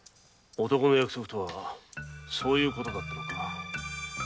男の約束とはそういうことだったのか。